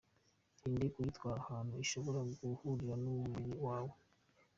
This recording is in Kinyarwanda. Irinde kuyitwara ahantu ishobora guhurira n’umubiri wawe.